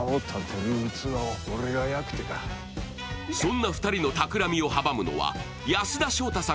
そんな２人のたくらみを阻むのは安田章大さん